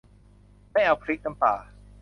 ไม่เอาพริกน้ำปลา